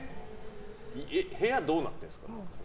部屋どうなってるんですか？